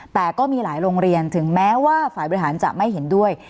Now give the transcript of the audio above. แต่ก็มีหลายโรงเรียนถึงแม้ว่าฝ่ายบริหารจะไม่เห็นด้วย